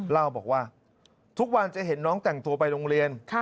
เล่าบอกว่าทุกวันจะเห็นน้องแต่งตัวไปโรงเรียน